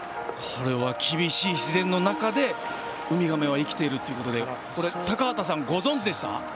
これは厳しい自然の中でウミガメは生きているということで高畑さん、ご存じでした？